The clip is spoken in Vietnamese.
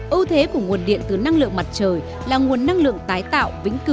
âu thế của nguồn điện từ năng lượng mặt trời là nguồn năng lượng tái tạo